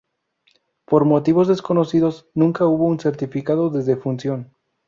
Por motivos desconocidos, nunca hubo un certificado de defunción.